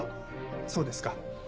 そうですか。